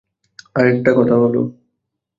আরেকটা কথা বলো।